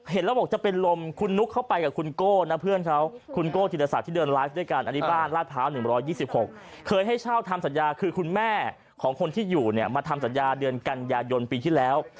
เห็นแล้วบอกจะเป็นลมคุณนุ๊กเข้าไปกับคุณโก้นะเพื่อนเขาคุณโก้ธิรศักดิ์ที่เดินไลฟ์ด้วยกันอันนี้บ้านลาดพร้าว๑๒๖เคยให้เช่าทำสัญญาคือคุณแม่ของคนที่อยู่เนี่ยมาทำสัญญาเดือนกันยายนปีที่แล้ว